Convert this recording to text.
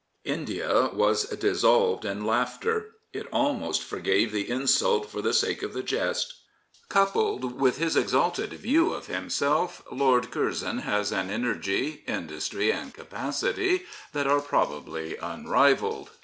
India was dissolved in laughter. It almost forgave the insult for the sake of the jest. Coupled with his exalted view of himself, Lord Curzon has an energy, industry, and capacity that are probably unrivalled.